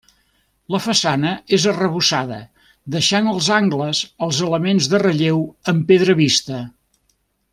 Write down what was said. La façana és arrebossada deixant els angles els elements de relleu en pedra vista.